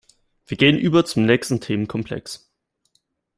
Wir gehen über zum nächsten Themenkomplex.